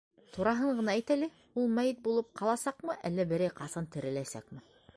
Тураһын ғына әйт әле, ул мәйет булып ҡаласаҡмы, әллә берәй ҡасан тереләсәкме?